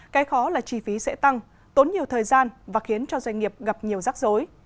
cái khó là chi phí sẽ tăng tốn nhiều thời gian và khiến cho doanh nghiệp gặp nhiều rắc rối